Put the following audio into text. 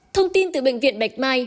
thông tin từ bệnh viện bạch mai